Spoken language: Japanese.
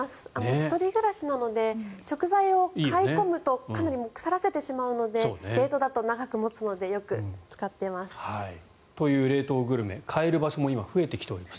１人暮らしなので食材を買い込むと腐らせてしまうので冷凍だと長く持つので。という冷凍グルメ買える場所も増えてきています。